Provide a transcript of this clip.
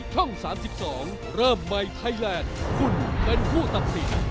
ขอบคุณครับ